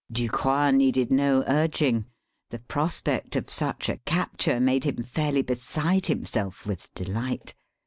Ducroix needed no urging. The prospect of such a capture made him fairly beside himself with delight.